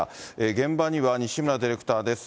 現場には西村ディレクターです。